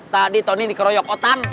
tadi tony dikeroyok otan